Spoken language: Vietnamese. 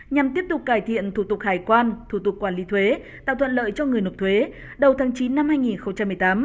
nhằm tiếp tục cải thiện thủ tục hải quan thủ tục quản lý thuế tạo thuận lợi cho người nộp thuế đầu tháng chín năm hai nghìn một mươi tám